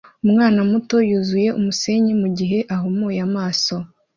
Umwana muto yuzuye umusenyi mugihe ahumuye amaso